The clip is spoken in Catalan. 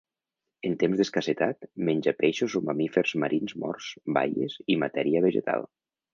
En temps d'escassedat, menja peixos o mamífers marins morts, baies i matèria vegetal.